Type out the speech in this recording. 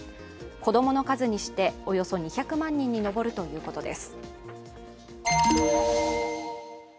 子供の数にして、およそ２００万人に上るということです。